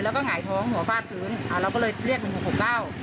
แล้วก็หงายท้องหัวฟาดกื้นเราก็เลยเรียก๑๖๖๙